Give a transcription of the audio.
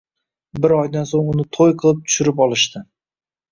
Bir oydan soʼng uni toʼy qilib tushirib olishdi.